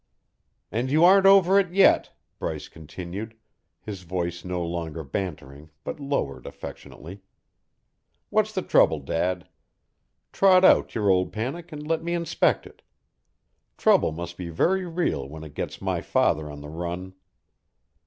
"And you aren't over it yet," Bryee continued, his voice no longer bantering but lowered affectionately. "What's the trouble, Dad? Trot out your old panic and let me inspect it. Trouble must be very real when it gets my father on the run."